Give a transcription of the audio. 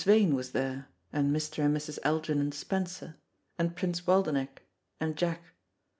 Vane was there, and Mr. and Mrs. Algernon Spencer, and Prince Waldenech and Jack.